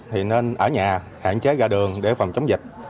thì nên ở nhà hạn chế ra đường để phòng chống dịch